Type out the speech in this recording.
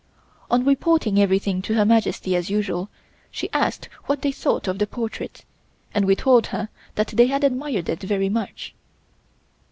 On reporting everything to Her Majesty as usual, she asked what they thought of the portrait, and we told her that they had admired it very much.